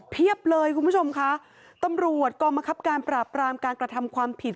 เทียบเลยคุณผู้ชมค่ะตำรวจกรรมอัคพการปราบรามการกระทำความผิด